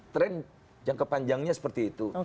tren jangka panjangnya seperti itu